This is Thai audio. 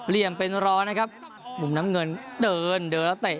เหลี่ยมเป็นร้อนนะครับมุมน้ำเงินเดินเดินแล้วเตะ